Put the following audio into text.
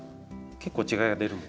結構違いが出るんですよ。